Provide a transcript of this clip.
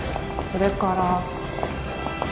それから。